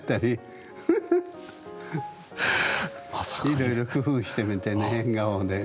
いろいろ工夫してみてね変顔で。